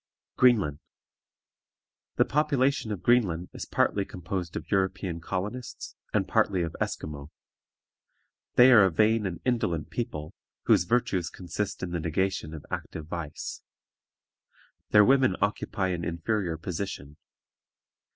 GREENLAND. The population of Greenland is partly composed of European colonists and partly of Esquimaux. They are a vain and indolent people, whose virtues consist in the negation of active vice. Their women occupy an inferior position.